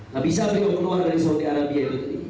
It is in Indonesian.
gak bisa beliau keluar dari saudi arabia itu